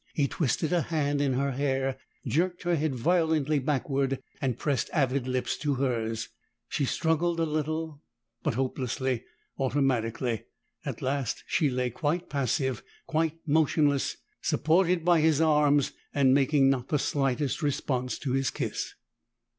He twisted a hand in her hair, jerked her head violently backward, and pressed avid lips to hers. She struggled a little, but hopelessly, automatically. At last she lay quite passive, quite motionless, supported by his arms, and making not the slightest response to his kiss.